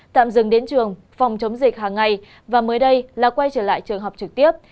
tạm dừng đến trường phòng chống dịch hàng ngày và mới đây là quay trở lại trường học trực tiếp